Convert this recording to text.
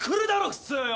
普通よ。